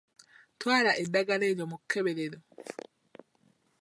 Twala eddagala eryo mu kkeberero.